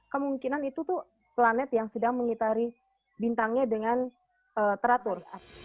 kemungkinan itu tuh planet yang sedang mengitari bintangnya dengan teratur